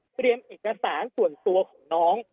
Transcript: เตรียมเอกสารส่วนตัวของน้อง